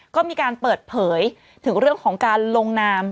ก็มีการเปิดเผยถึงเรื่องของการลงนาม